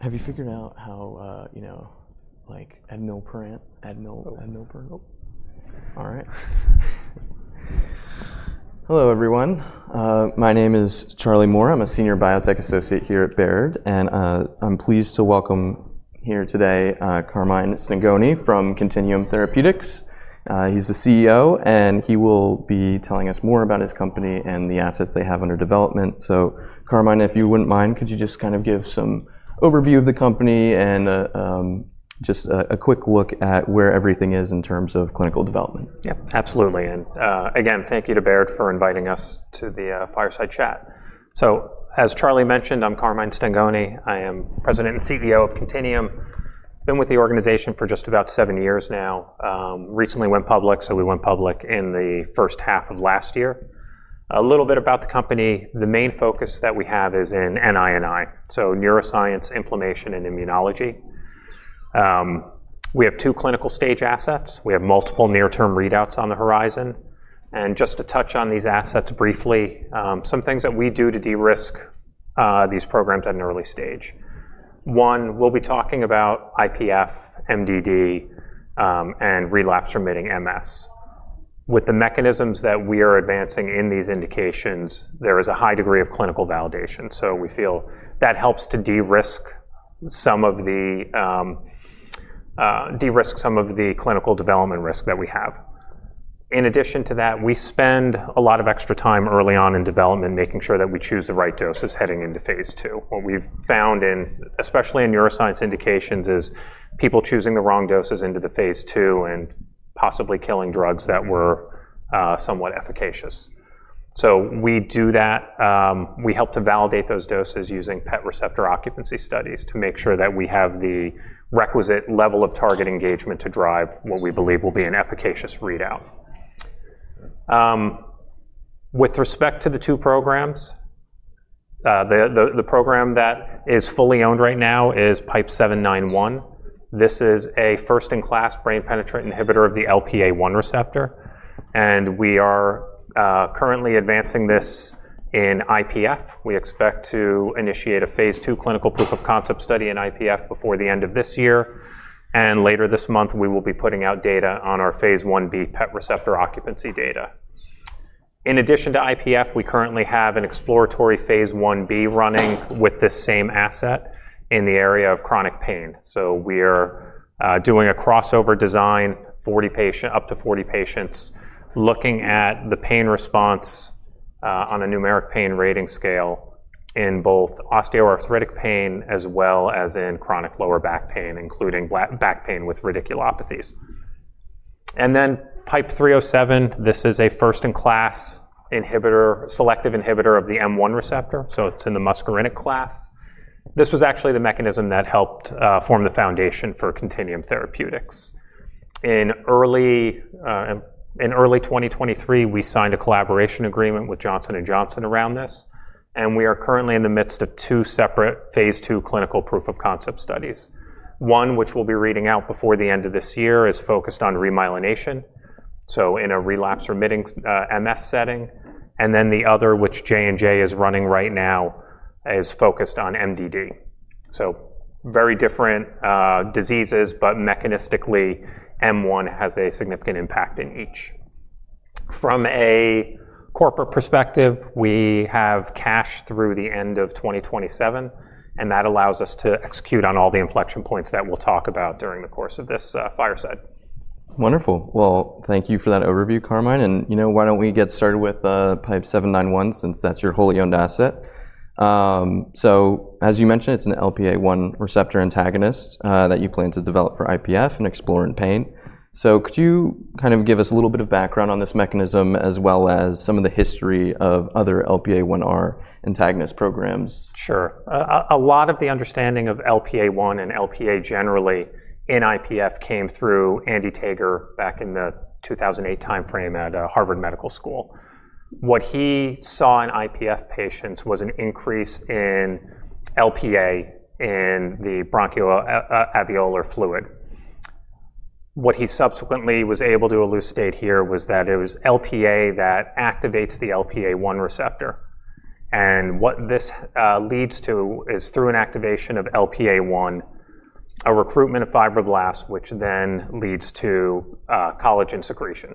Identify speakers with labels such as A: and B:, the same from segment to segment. A: Have you figured out how, you know, like admilparant?
B: Nope.
A: All right. Hello, everyone. My name is Charlie Moore. I'm a Senior Biotech Associate here at Baird, and I'm pleased to welcome here today Carmine Stengone from Contineum Therapeutics. He's the CEO, and he will be telling us more about his company and the assets they have under development. Carmine, if you wouldn't mind, could you just kind of give some overview of the company and just a quick look at where everything is in terms of clinical development?
B: Yeah, absolutely. Thank you to Baird for inviting us to the fireside chat. As Charlie mentioned, I'm Carmine Stengone. I am President and CEO of Contineum. I've been with the organization for just about seven years now. It recently went public, so we went public in the first half of last year. A little bit about the company: the main focus that we have is in NINI, so neuroscience, inflammation, and immunology. We have two clinical stage assets, we have multiple near-term readouts on the horizon, and just to touch on these assets briefly, some things that we do to de-risk these programs at an early stage: one, we'll be talking about IPF, MDD, and relapsing-remitting MS. With the mechanisms that we are advancing in these indications, there is a high degree of clinical validation. We feel that helps to de-risk some of the clinical development risk that we have. In addition to that, we spend a lot of extra time early on in development making sure that we choose the right doses heading into phase II. What we've found, especially in neuroscience indications, is people choosing the wrong doses into the phase II and possibly killing drugs that were somewhat efficacious, so we do that. We help to validate those doses using PET receptor occupancy studies to make sure that we have the requisite level of target engagement to drive what we believe will be an efficacious readout. With respect to the two programs, the program that is fully owned right now is PIPE-791. This is a first-in-class brain-penetrant inhibitor of the LPA-1 receptor, and we are currently advancing this in IPF. We expect to initiate a phase II clinical proof-of-concept study in IPF before the end of this year. Later this month, we will be putting out data on our phase 1b PET receptor occupancy data. In addition to IPF, we currently have an exploratory phase 1B running with this same asset in the area of chronic pain. We are doing a crossover design, 40 patients, up to 40 patients, looking at the pain response on a numeric pain rating scale in both osteoarthritic pain as well as in chronic lower back pain, including back pain with radiculopathies. PIPE-307 is a first-in-class selective inhibitor of the M1 receptor, so it's in the muscarinic class. This was actually the mechanism that helped form the foundation for Contineum Therapeutics. In early 2023, we signed a collaboration agreement with Johnson & Johnson around this, and we are currently in the midst of two separate phase II clinical proof-of-concept studies. One, which we'll be reading out before the end of this year, is focused on remyelination, in a relapsing-remitting MS setting. The other, which J & J is running right now, is focused on MDD. Very different diseases, but mechanistically, M1 has a significant impact in each. From a corporate perspective, we have cash through the end of 2027, and that allows us to execute on all the inflection points that we'll talk about during the course of this fireside.
A: Wonderful. Thank you for that overview, Carmine. You know, why don't we get started with PIPE-791, since that's your wholly owned asset? As you mentioned, it's an LPA-1 receptor antagonist that you plan to develop for IPF and explore in pain. Could you kind of give us a little bit of background on this mechanism as well as some of the history of other LPA-1 R antagonist programs?
B: Sure. A lot of the understanding of LPA-1 and LPA generally in IPF came through Andy Tager back in the 2008 timeframe at Harvard Medical School. What he saw in IPF patients was an increase in LPA in the bronchoalveolar fluid. What he subsequently was able to elucidate here was that it was LPA that activates the LPA-1 receptor. What this leads to is, through an activation of LPA-1, a recruitment of fibroblasts, which then leads to collagen secretion.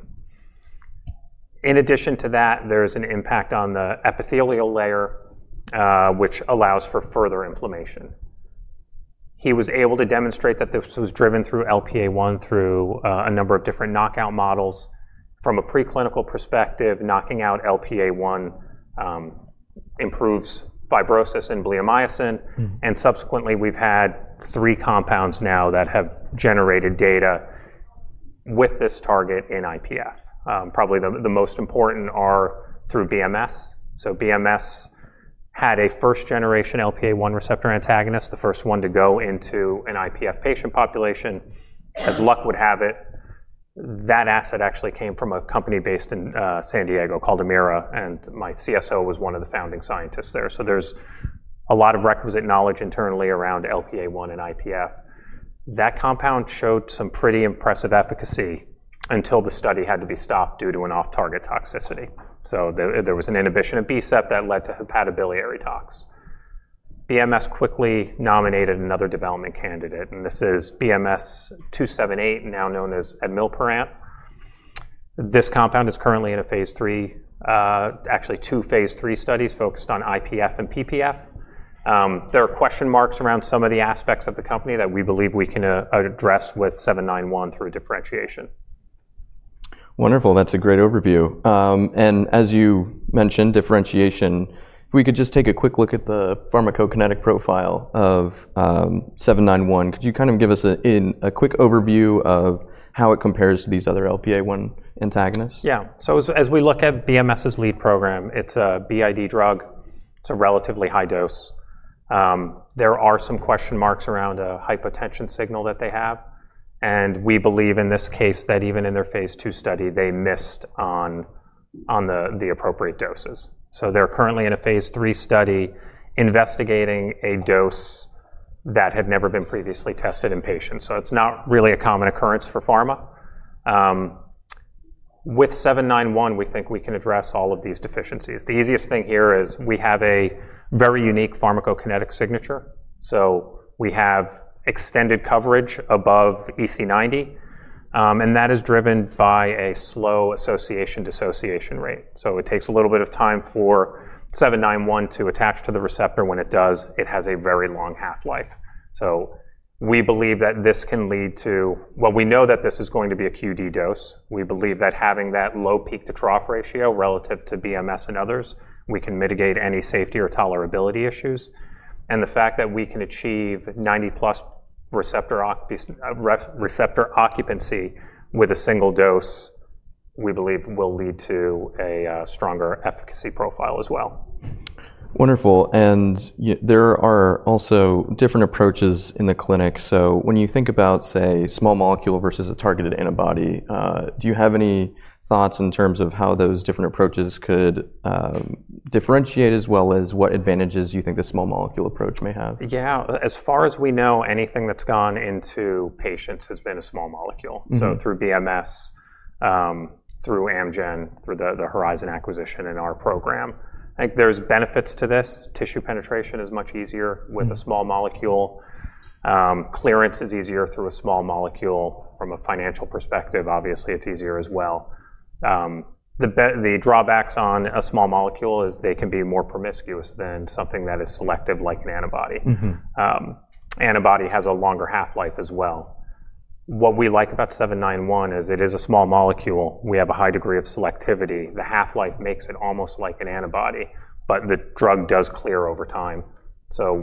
B: In addition to that, there's an impact on the epithelial layer, which allows for further inflammation. He was able to demonstrate that this was driven through LPA-1 through a number of different knockout models. From a preclinical perspective, knocking out LPA-1 improves fibrosis in bleomycin. Subsequently, we've had three compounds now that have generated data with this target in IPF. Probably the most important are through BMS. BMS had a first-generation LPA-1 receptor antagonist, the first one to go into an IPF patient population. As luck would have it, that asset actually came from a company based in San Diego called Amira, and my CSO was one of the founding scientists there. There's a lot of requisite knowledge internally around LPA-1 and IPF. That compound showed some pretty impressive efficacy until the study had to be stopped due to an off-target toxicity. There was an inhibition of BSEP that led to hepatobiliary tox. BMS quickly nominated another development candidate, and this is BMS-278, now known as Admilparant. This compound is currently in a phase III, actually two phase III studies focused on IPF and PPF. There are question marks around some of the aspects of the company that we believe we can address with PIPE-791 through differentiation.
A: Wonderful, that's a great overview. As you mentioned, differentiation, if we could just take a quick look at the pharmacokinetic profile of PIPE-791, could you kind of give us a quick overview of how it compares to these other LPA-1 antagonists?
B: As we look at BMS' lead program, it's a BID drug, it's a relatively high dose. There are some question marks around a hypotension signal that they have. We believe in this case that even in their phase II study, they missed on the appropriate doses. They're currently in a phase III study investigating a dose that had never been previously tested in patients. It's not really a common occurrence for pharma. With 791, we think we can address all of these deficiencies. The easiest thing here is we have a very unique pharmacokinetic signature. We have extended coverage above EC90, and that is driven by a slow association-dissociation rate, so it takes a little bit of time for PIPE-791 to attach to the receptor. When it does, it has a very long half-life. We believe that this can lead to, we know that this is going to be a QD dose. We believe that having that low peak to trough ratio relative to BMS and others, we can mitigate any safety or tolerability issues. The fact that we can achieve 90+ receptor occupancy with a single dose, we believe will lead to a stronger efficacy profile as well.
A: Wonderful, and there are also different approaches in the clinic. When you think about, say, small molecule versus a targeted antibody, do you have any thoughts in terms of how those different approaches could differentiate as well as what advantages you think the small molecule approach may have?
B: As far as we know, anything that's gone into patients has been a small molecule. Through BMS, through Amgen, through the Horizon acquisition in our program, I think there's benefits to this. Tissue penetration is much easier with a small molecule. Clearance is easier through a small molecule. From a financial perspective, obviously, it's easier as well. The drawbacks on a small molecule is they can be more promiscuous than something that is selective like an antibody. Antibody has a longer half-life as well. What we like about 791 is it is a small molecule. We have a high degree of selectivity. The half-life makes it almost like an antibody, but the drug does clear over time.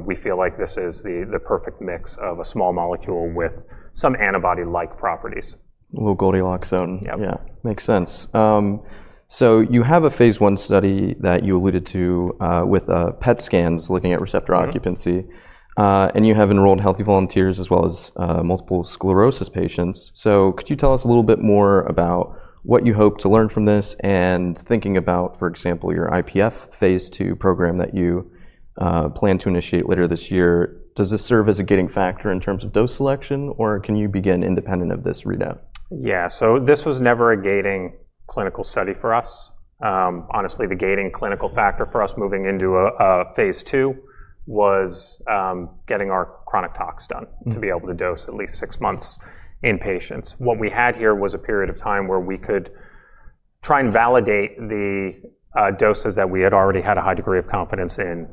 B: We feel like this is the perfect mix of a small molecule with some antibody-like properties.
A: Lugol-Diloxone.
B: Yeah.
A: Yeah. Makes sense. You have a phase one study that you alluded to with PET scans looking at receptor occupancy, and you have enrolled healthy volunteers as well as multiple sclerosis patients. Could you tell us a little bit more about what you hope to learn from this and thinking about, for example, your IPF phase II program that you plan to initiate later this year? Does this serve as a gating factor in terms of dose selection, or can you begin independent of this readout?
B: This was never a gating clinical study for us. Honestly, the gating clinical factor for us moving into a phase II was getting our chronic tox done to be able to dose at least six months in patients. What we had here was a period of time where we could try and validate the doses that we had already had a high degree of confidence in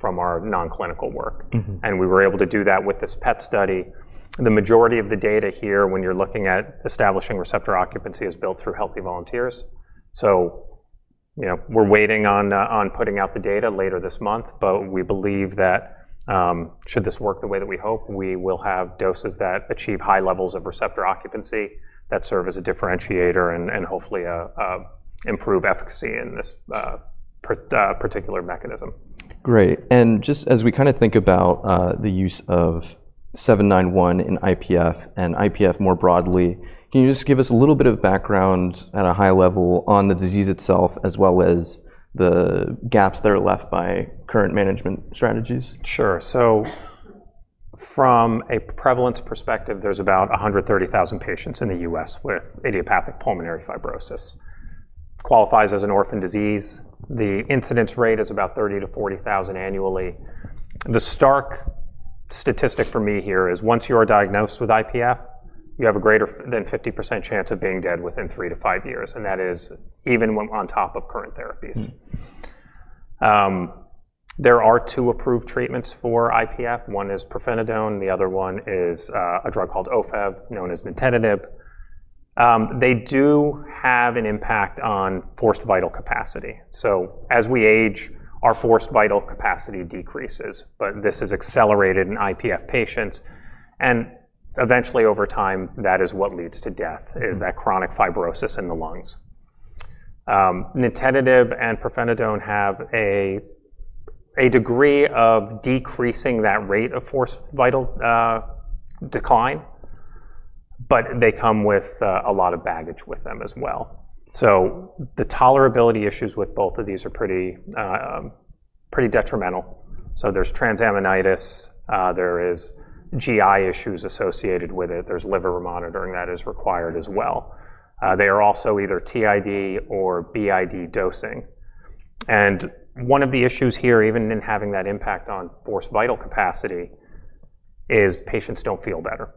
B: from our non-clinical work. We were able to do that with this PET study. The majority of the data here, when you're looking at establishing receptor occupancy, is built through healthy volunteers. We're waiting on putting out the data later this month, but we believe that should this work the way that we hope, we will have doses that achieve high levels of receptor occupancy that serve as a differentiator and hopefully improve efficacy in this particular mechanism.
A: Great. As we kind of think about the use of 791 in IPF and IPF more broadly, can you just give us a little bit of background at a high level on the disease itself as well as the gaps that are left by current management strategies?
B: Sure. From a prevalence perspective, there's about 130,000 patients in the U.S., with idiopathic pulmonary fibrosis. It qualifies as an orphan disease. The incidence rate is about 30,000-40,000 annually. The stark statistic for me here is once you're diagnosed with IPF, you have a greater than 50% chance of being dead within three to five years, and that is even when on top of current therapies. There are two approved treatments for IPF: one is pirfenidone, the other one is a drug called Ofev, known as nintedanib. They do have an impact on forced vital capacity. As we age, our forced vital capacity decreases, but this is accelerated in IPF patients. Eventually, over time, that is what leads to death, that chronic fibrosis in the lungs. Nintedanib and pirfenidone have a degree of decreasing that rate of forced vital decline, but they come with a lot of baggage with them as well. The tolerability issues with both of these are pretty detrimental, so there's transaminitis, there are GI issues associated with it, there's liver monitoring that is required as well, they are also either TID or BID dosing. One of the issues here, even in having that impact on forced vital capacity, is patients don't feel better.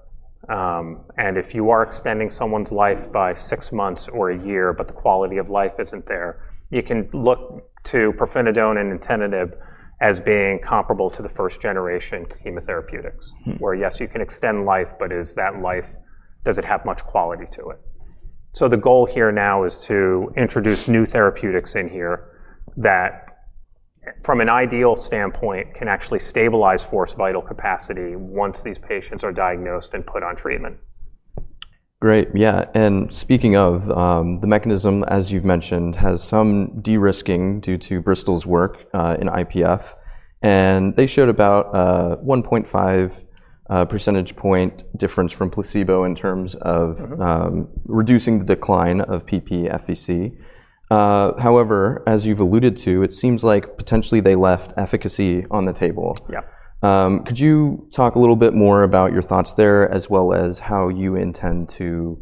B: If you are extending someone's life by six months or a year, but the quality of life isn't there, you can look to pirfenidone and nintedanib as being comparable to the first-generation chemotherapeutics where, yes, you can extend life, but is that life, does it have much quality to it? The goal here now is to introduce new therapeutics in here that, from an ideal standpoint, can actually stabilize forced vital capacity once these patients are diagnosed and put on treatment.
A: Great. Yeah. Speaking of the mechanism, as you've mentioned, has some de-risking due to Bristol's work in IPF. They showed about a 1.5% difference from placebo in terms of reducing the decline of PP FVC. However, as you've alluded to, it seems like potentially they left efficacy on the table.
B: Yeah.
A: Could you talk a little bit more about your thoughts there, as well as how you intend to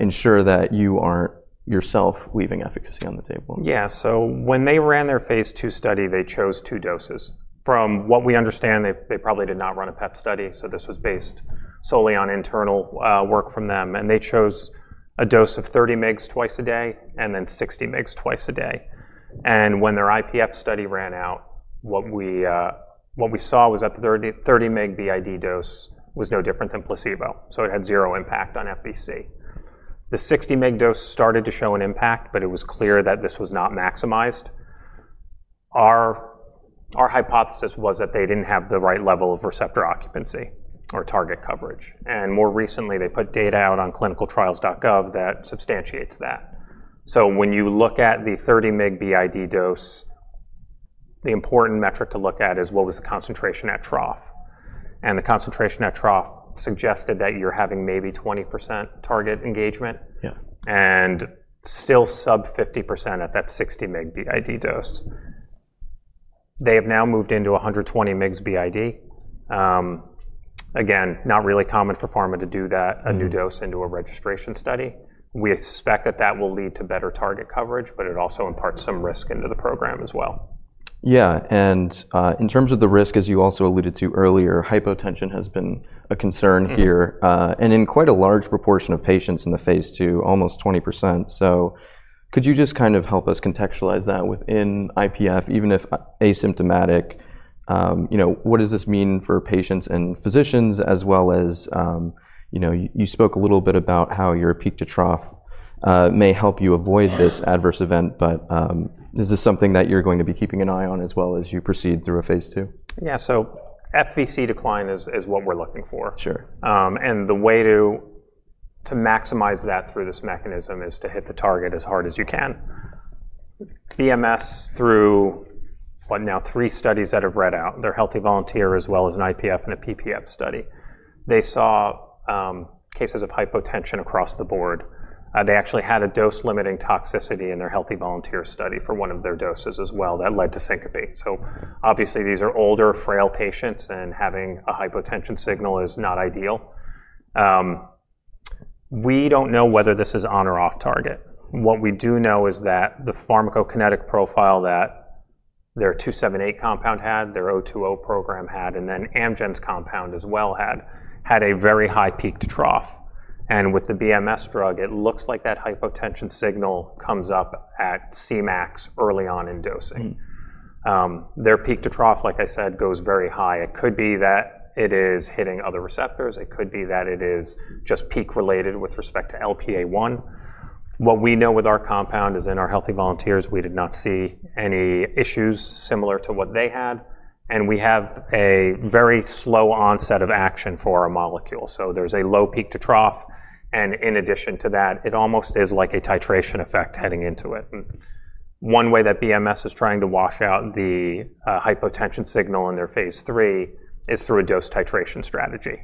A: ensure that you aren't yourself leaving efficacy on the table?
B: Yeah. When they ran their phase II study, they chose two doses. From what we understand, they probably did not run a PET study. This was based solely on internal work from them. They chose a dose of 30 mg twice a day and then 60 mg twice a day. When their IPF study ran out, what we saw was that the 30 mg BID dose was no different than placebo. It had zero impact on FVC. The 60 mg dose started to show an impact, but it was clear that this was not maximized. Our hypothesis was that they didn't have the right level of receptor occupancy or target coverage. More recently, they put data out on clinicaltrials.gov that substantiates that. When you look at the 30 mg BID dose, the important metric to look at is what was the concentration at trough. The concentration at trough suggested that you're having maybe 20% target engagement.
A: Yeah.
B: is still sub 50% at that 60 mg BID dose. They have now moved into 120 mg BID. Again, it is not really common for pharma to do that, a new dose into a registration study. We expect that will lead to better target coverage, but it also imparts some risk into the program as well.
A: Yeah. In terms of the risk, as you also alluded to earlier, hypotension has been a concern here. In quite a large proportion of patients in the phase II, almost 20%. Could you just kind of help us contextualize that within IPF, even if asymptomatic? What does this mean for patients and physicians as well as, you spoke a little bit about how your peak to trough may help you avoid this adverse event, but is this something that you're going to be keeping an eye on as well as you proceed through a phase II?
B: FVC decline is what we're looking for.
A: Sure.
B: The way to maximize that through this mechanism is to hit the target as hard as you can. BMS, through what, now three studies that have read out, their healthy volunteer as well as an IPF and a PPF study, they saw cases of hypotension across the board. They actually had a dose-limiting toxicity in their healthy volunteer study for one of their doses as well that led to syncope. Obviously, these are older, frail patients, and having a hypotension signal is not ideal. We don't know whether this is on or off target. What we do know is that the pharmacokinetic profile that their 278 compound had, their '020 program had, and then Amgen's compound as well had, had a very high peak to trough. With the BMS drug, it looks like that hypotension signal comes up at Cmax early on in dosing. Their peak to trough, like I said, goes very high. It could be that it is hitting other receptors. It could be that it is just peak related with respect to LPA-1. What we know with our compound is in our healthy volunteers, we did not see any issues similar to what they had. We have a very slow onset of action for our molecule, so there's a low peak to trough. In addition to that, it almost is like a titration effect heading into it. One way that BMS is trying to wash out the hypotension signal in their phase III is through a dose titration strategy.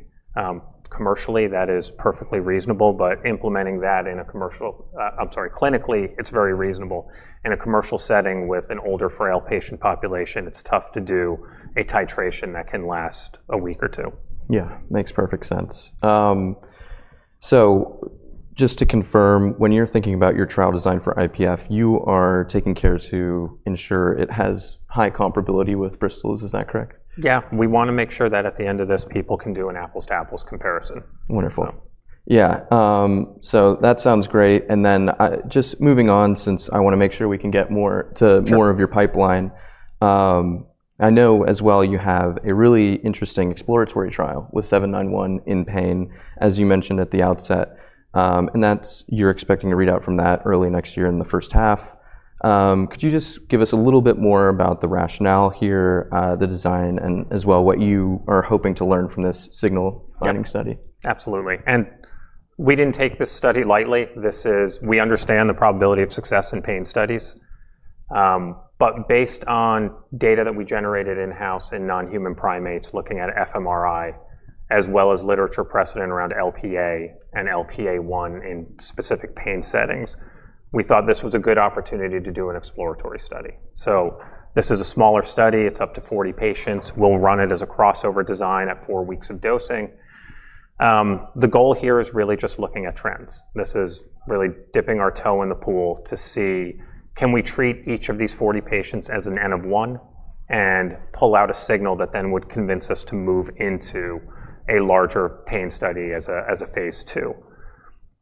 B: Commercially, that is perfectly reasonable, but implementing that in a commercial, I'm sorry, clinically, it's very reasonable. In a commercial setting with an older, frail patient population, it's tough to do a titration that can last a week or two.
A: Makes perfect sense. Just to confirm, when you're thinking about your trial design for IPF, you are taking care to ensure it has high comparability with Bristol. Is that correct?
B: We want to make sure that at the end of this, people can do an apples-to-apples comparison.
A: Wonderful. Yeah, that sounds great. Just moving on, since I want to make sure we can get to more of your pipeline, I know as well you have a really interesting exploratory trial with 791 in pain, as you mentioned at the outset. You're expecting a readout from that early next year in the first half. Could you just give us a little bit more about the rationale here, the design, and as well what you are hoping to learn from this signal finding study?
B: Absolutely. We didn't take this study lightly. This is, we understand the probability of success in pain studies. Based on data that we generated in-house in non-human primates, looking at fMRI, as well as literature precedent around LPA and LPA-1 in specific pain settings, we thought this was a good opportunity to do an exploratory study, so this is a smaller study, it's up to 40 patients, we'll run it as a crossover design at four weeks of dosing. The goal here is really just looking at trends. This is really dipping our toe in the pool to see, can we treat each of these 40 patients as an N of 1 and pull out a signal that then would convince us to move into a larger pain study as a phase II?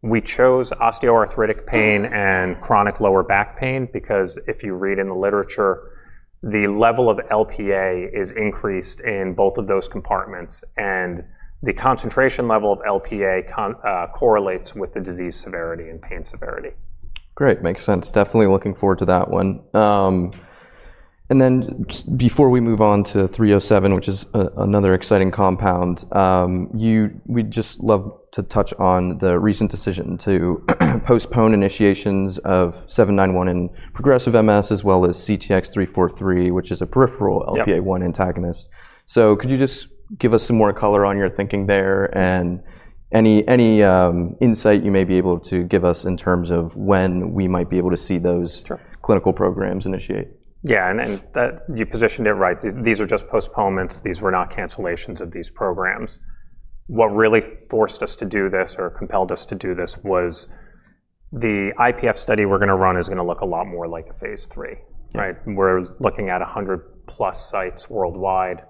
B: We chose osteoarthritic pain and chronic lower back pain because if you read in the literature, the level of LPA is increased in both of those compartments, and the concentration level of LPA correlates with the disease severity and pain severity.
A: Great. Makes sense. Definitely looking forward to that one. Before we move on to 307, which is another exciting compound, we'd just love to touch on the recent decision to postpone initiations of 791 in progressive MS as well as CTX-343, which is a peripheral LPA-1 antagonist. Could you just give us some more color on your thinking there and any insight you may be able to give us in terms of when we might be able to see those clinical programs initiate?
B: Yeah. You positioned it right. These are just postponements, not cancellations of these programs. What really forced us to do this or compelled us to do this was the IPF study we're going to run is going to look a lot more like a phase III. We're looking at 100+ sites worldwide.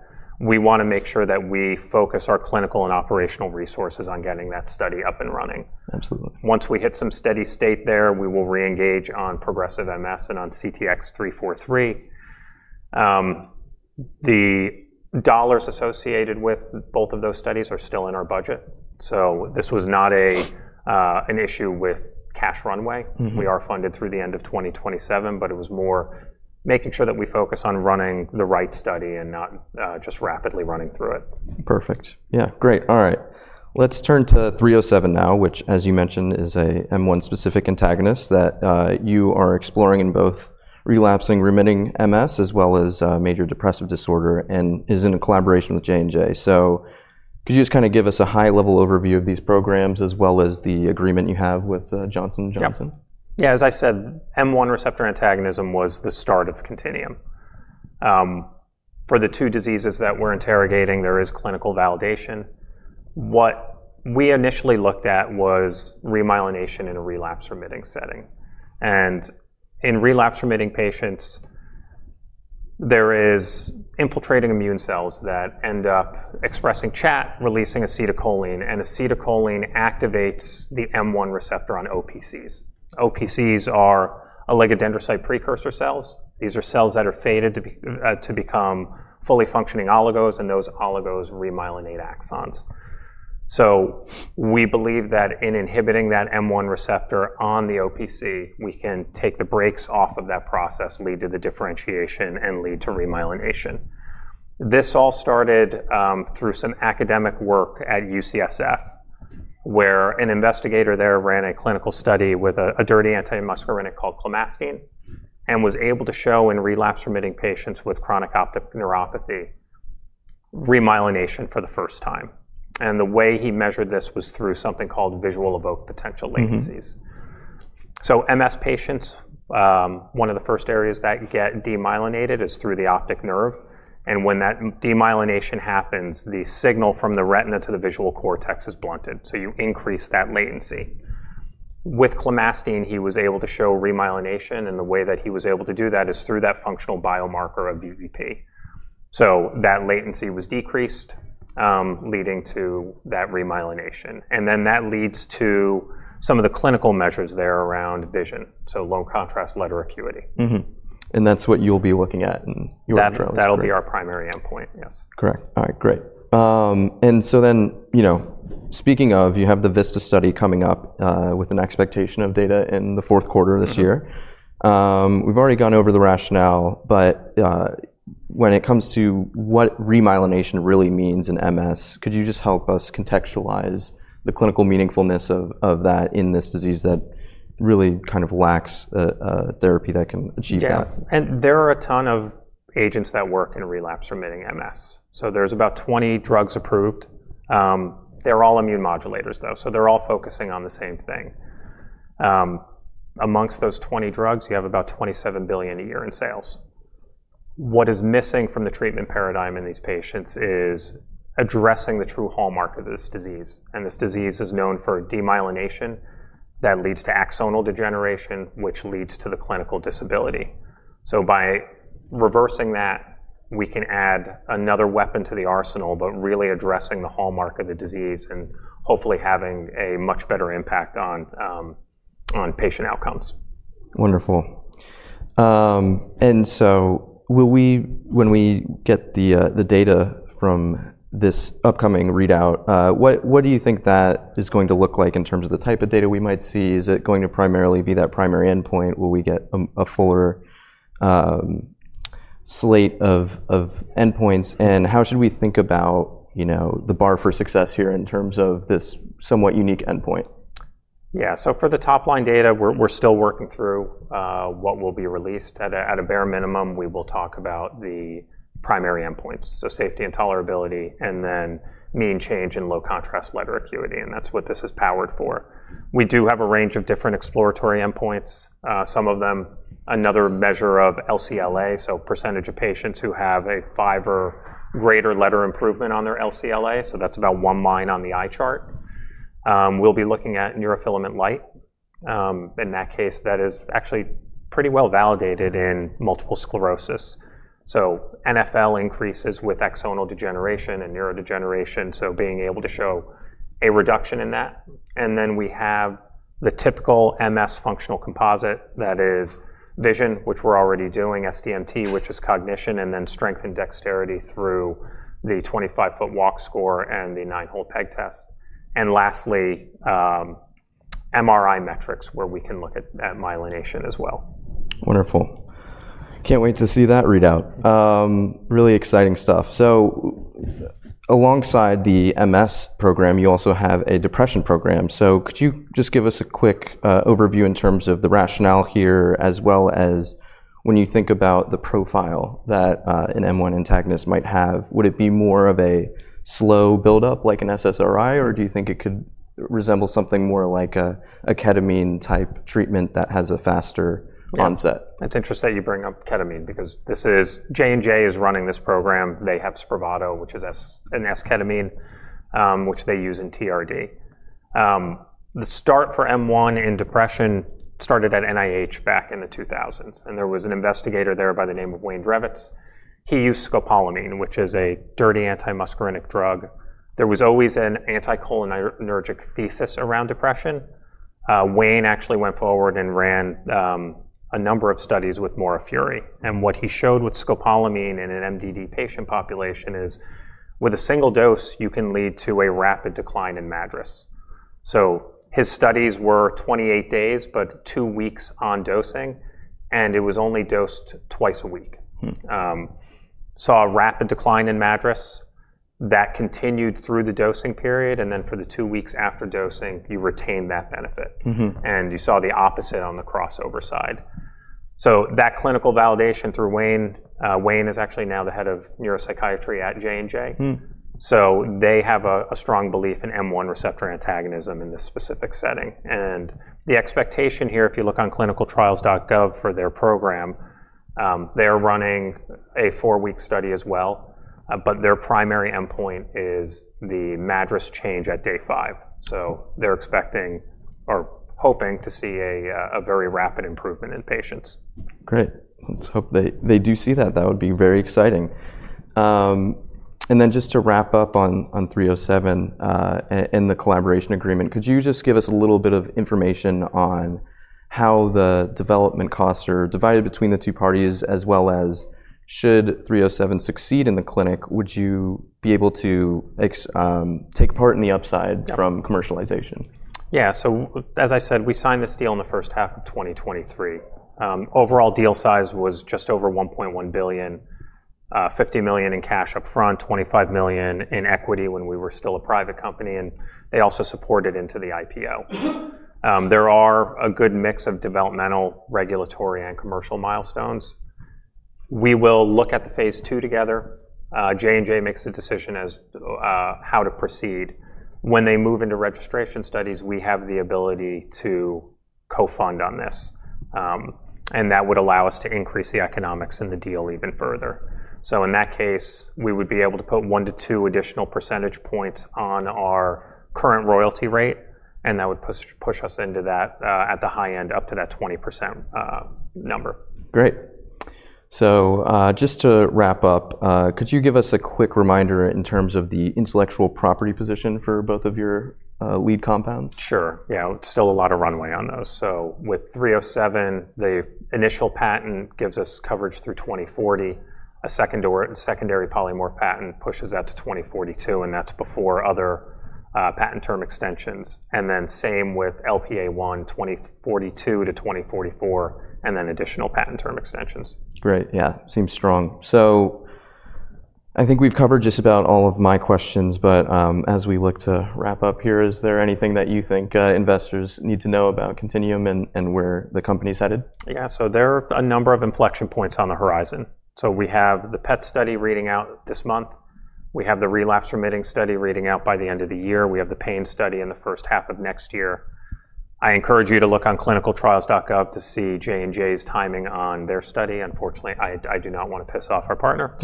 B: We want to make sure that we focus our clinical and operational resources on getting that study up and running.
A: Absolutely.
B: Once we hit some steady state there, we will re-engage on progressive MS and on CTX-343. The dollars associated with both of those studies are still in our budget. This was not an issue with cash runway. We are funded through the end of 2027, it was more making sure that we focus on running the right study and not just rapidly running through it.
A: Perfect. Yeah. Great. All right. Let's turn to 307 now, which, as you mentioned, is an M1-specific antagonist that you are exploring in both relapsing, remitting MS as well as major depressive disorder and is in a collaboration with J&J. Could you just kind of give us a high-level overview of these programs as well as the agreement you have with Johnson & Johnson?
B: Yeah. As I said, M1 receptor antagonism was the start of Contineum. For the two diseases that we're interrogating, there is clinical validation. What we initially looked at was remyelination in a relapsing-remitting setting. In relapsing-remitting patients, there are infiltrating immune cells that end up expressing CHAT, releasing acetylcholine, and acetylcholine activates the M1 receptor on OPCs. OPCs are oligodendrocyte precursor cells. These are cells that are fated to become fully functioning oligos, and those oligos remyelinate axons. We believe that in inhibiting that M1 receptor on the OPC, we can take the brakes off of that process, lead to the differentiation, and lead to remyelination. This all started through some academic work at UCSF, where an investigator there ran a clinical study with a dirty antimuscarinic called clemastine and was able to show in relapsing-remitting patients with chronic optic neuropathy remyelination for the first time. The way he measured this was through something called visual-evoked potential latencies. MS patients, one of the first areas that get demyelinated is through the optic nerve. When that demyelination happens, the signal from the retina to the visual cortex is blunted. You increase that latency. With clemastine, he was able to show remyelination, and the way that he was able to do that is through that functional biomarker of VEP. That latency was decreased, leading to that remyelination. That leads to some of the clinical measures there around vision, so low contrast letter acuity.
A: That is what you'll be looking at in your drugs.
B: That'll be our primary endpoint, yes.
A: Correct. All right. Great. Speaking of, you have the VISTA study coming up with an expectation of data in the fourth quarter of this year. We've already gone over the rationale, but when it comes to what remyelination really means in MS, could you just help us contextualize the clinical meaningfulness of that in this disease that really kind of lacks a therapy that can achieve that?
B: Yeah. There are a ton of agents that work in relapsing-remitting MS. There are about 20 drugs approved. They're all immune modulators, though, so they're all focusing on the same thing. Amongst those 20 drugs, you have about $27 billion a year in sales. What is missing from the treatment paradigm in these patients is addressing the true hallmark of this disease. This disease is known for demyelination that leads to axonal degeneration, which leads to the clinical disability. By reversing that, we can add another weapon to the arsenal, really addressing the hallmark of the disease and hopefully having a much better impact on patient outcomes.
A: Wonderful. When we get the data from this upcoming readout, what do you think that is going to look like in terms of the type of data we might see? Is it going to primarily be that primary endpoint? Will we get a fuller slate of endpoints? How should we think about the bar for success here in terms of this somewhat unique endpoint?
B: Yeah. For the top-line data, we're still working through what will be released. At a bare minimum, we will talk about the primary endpoints, so safety and tolerability, and then mean change in low contrast letter acuity. That's what this is powered for. We do have a range of different exploratory endpoints. Some of them, another measure of LCLA, so percentage of patients who have a five or greater letter improvement on their LCLA, so that's about one line on the eye chart. We'll be looking at neurofilament light. In that case, that is actually pretty well validated in multiple sclerosis. NFL increases with axonal degeneration and neurodegeneration, so being able to show a reduction in that. We have the typical MS functional composite that is vision, which we're already doing, SDMT, which is cognition, and then strength and dexterity through the 25 ft walk score and the nine-hole PEG test. Lastly, MRI metrics where we can look at myelination as well.
A: Wonderful. Can't wait to see that readout. Really exciting stuff. Alongside the MS program, you also have a depression program. Could you just give us a quick overview in terms of the rationale here as well as when you think about the profile that an M1 antagonist might have? Would it be more of a slow buildup like an SSRI, or do you think it could resemble something more like a ketamine-type treatment that has a faster onset?
B: Yeah. It's interesting that you bring up ketamine because this is J&J is running this program. They have Spravato, which is an esketamine, which they use in TRD. The start for M1 in depression started at NIH back in the 2000s, and there was an investigator there by the name of Wayne Drevets. He used scopolamine, which is a dirty antimuscarinic drug. There was always an anticholinergic thesis around depression. Wayne actually went forward and ran a number of studies with Maura Furey. What he showed with scopolamine in an MDD patient population is with a single dose, you can lead to a rapid decline in MADRS. His studies were 28 days, but two weeks on dosing, and it was only dosed twice a week. Saw a rapid decline in MADRS that continued through the dosing period. For the two weeks after dosing, you retained that benefit. You saw the opposite on the crossover side. That clinical validation through Wayne, Wayne is actually now the Head of Neuropsychiatry at J&J, so they have a strong belief in M1 receptor antagonism in this specific setting. The expectation here, if you look on clinicaltrials.gov for their program, they're running a four-week study as well, but their primary endpoint is the MADRS change at day five, so they're expecting or hoping to see a very rapid improvement in patients.
A: Great. Let's hope they do see that. That would be very exciting. Just to wrap up on 307 and the collaboration agreement, could you give us a little bit of information on how the development costs are divided between the two parties, as well as should 307 succeed in the clinic, would you be able to take part in the upside from commercialization?
B: Yeah. As I said, we signed this deal in the first half of 2023. Overall deal size was just over $1.1 billion, $50 million in cash upfront, $25 million in equity when we were still a private company, and they also supported into the IPO. There are a good mix of developmental, regulatory, and commercial milestones. We will look at the phase II together. J&J makes a decision as how to proceed. When they move into registration studies, we have the ability to co-fund on this, and that would allow us to increase the economics in the deal even further. In that case, we would be able to put 1-2 additional percentage points on our current royalty rate, and that would push us at the high end up to that 20% number.
A: Great. Just to wrap up, could you give us a quick reminder in terms of the intellectual property position for both of your lead compounds?
B: Sure. Yeah. It's still a lot of runway on those. With 307, the initial patent gives us coverage through 2040. A secondary polymorph patent pushes that to 2042, and that's before other patent term extensions. Same with LPA-1, 2042-2044, and then additional patent term extensions.
A: Great. Yeah. Seems strong. I think we've covered just about all of my questions, but as we look to wrap up here, is there anything that you think investors need to know about Contineum and where the company's headed?
B: Yeah. There are a number of inflection points on the horizon. We have the PET study reading out this month. We have the relapse-remitting study reading out by the end of the year. We have the pain study in the first half of next year. I encourage you to look on clinicaltrials.gov to see J&J's timing on their study. Unfortunately, I do not want to piss off our partner.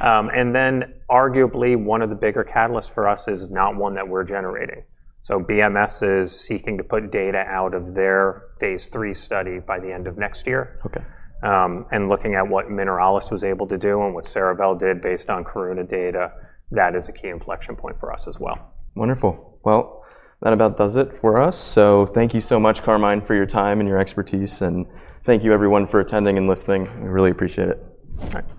B: Arguably, one of the bigger catalysts for us is not one that we're generating, so BMS is seeking to put data out of their phase III study by the end of next year.
A: Okay.
B: Looking at what Mineralys was able to do and what Cerevel did based on Karuna data, that is a key inflection point for us as well.
A: Wonderful. That about does it for us. Thank you so much, Carmine, for your time and your expertise. Thank you, everyone, for attending and listening. I really appreciate it.
B: All right.